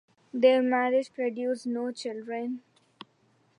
Their marriage produced no children.